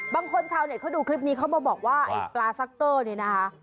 บางคนชาวเด็ดเขาดูคลิปนี้เข้ามาบอกว่าปลาซักเตอร์นี่นะคะ